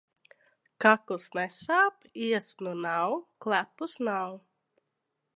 Kakls nesāp, iesnu nav, klepus nav.